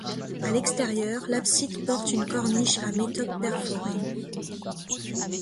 À l'extérieur, l'abside porte une corniche à métopes perforées.